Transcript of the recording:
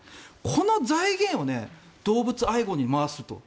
この財源を動物愛護に回すと。